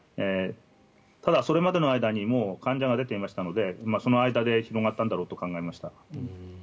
ただ、それまでの間にもう患者が出ていましたのでその間で広がったんだろうと考えました。